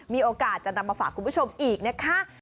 มีโอกาสจะนำมาฝากคุณผู้ชมอีกนะคะ